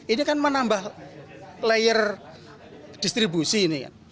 ini kan menambah layer distribusi ini kan